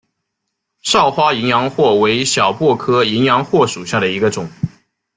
少花淫羊藿为小檗科淫羊藿属下的一个种。